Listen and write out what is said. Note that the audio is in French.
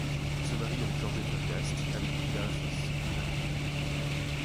Il se marie avec Georgette Hergast avec qui il a un fils, Jacques.